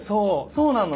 そうなの。